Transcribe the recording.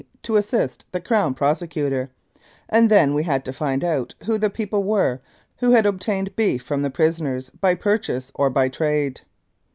to assist the Crown Prosecutor, and then we had to find out who the people were who had obtained beef from the prisoners by purchase or by trade.